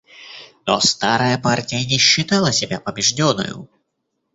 Но старая партия не считала себя побежденною.